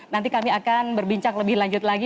nanti kami akan berbincang lebih lanjut lagi